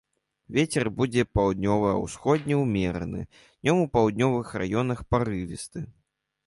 Вецер будзе паўднёва-ўсходні ўмераны, днём у паўднёвых раёнах парывісты.